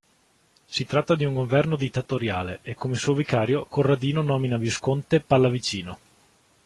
Si tratta di un governo dittatoriale, e come suo vicario Corradino nomina Visconte Pallavicino.